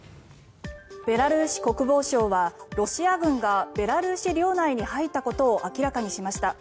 ベラルーシ国防省はロシア軍がベラルーシ領内に入ったことを明らかにしました。